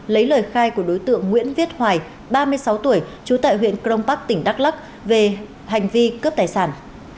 lấy lời khai của đối tượng nguyễn viết hoài ba mươi sáu tuổi trú tại huyện crong park tỉnh đắk lắc về hành vi cướp tài sản